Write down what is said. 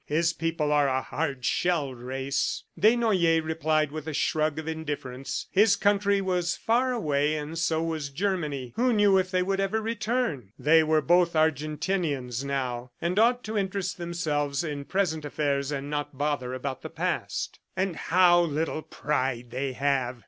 His people are a hard shelled race." Desnoyers replied with a shrug of indifference. His country was far away, and so was Germany. Who knew if they would ever return! ... They were both Argentinians now, and ought to interest themselves in present affairs and not bother about the past. "And how little pride they have!"